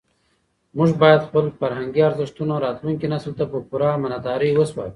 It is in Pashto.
موږ باید خپل فرهنګي ارزښتونه راتلونکي نسل ته په پوره امانتدارۍ وسپارو.